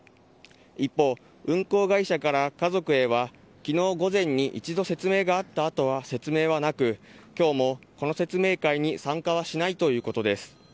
一方、運航会社から家族へはきのう午前に一度説明があったあとは説明はなく、きょうもこの説明会に参加はしないということです。